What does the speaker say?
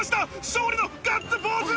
勝利のガッツポーズ！